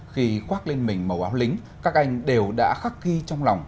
khi khoác lên mình màu áo lính các anh đều đã khắc ghi trong lòng